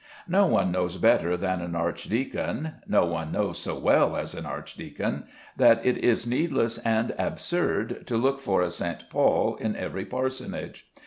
No one knows better than an archdeacon no one knows so well as an archdeacon that it is needless and absurd to look for a St. Paul in every parsonage.